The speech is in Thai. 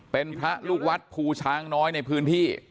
เป็นพระลูกวัดภูช้างน้อยในพื้นที่